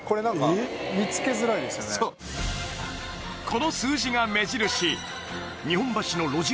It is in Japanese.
この数字が目印日本橋の路地